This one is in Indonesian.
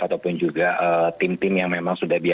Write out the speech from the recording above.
ataupun juga tim tim yang memang sudah biasa